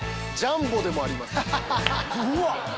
ジャンボでもあります。